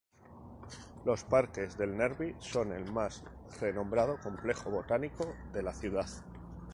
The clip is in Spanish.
Los Parques del Nervi son el más renombrado complejo botánico de la ciudad.